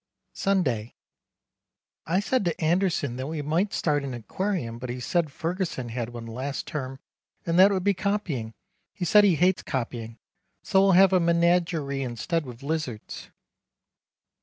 Sunday. I said to Anderson that we might start an aquarium but he said Ferguson had one last term and that it would be copying, he said he hates copying. So we'll have a menagery instead with lizards.